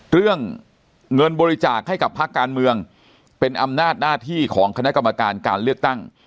เรื่องเงินบริจาคให้กับภาคการเมืองเป็นอำนาจหน้าที่ของคณะกรรมการการเลือกตั้ง